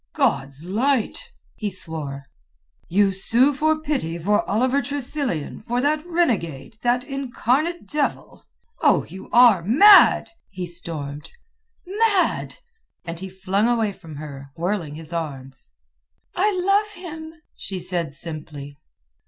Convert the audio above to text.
"God's light!" he swore. "You sue for pity for Oliver Tressilian, for that renegade, that incarnate devil? Oh, you are mad!" he stormed. "Mad!" and he flung away from her, whirling his arms. "I love him," she said simply.